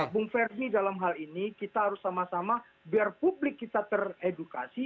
bung ferdi dalam hal ini kita harus sama sama biar publik kita teredukasi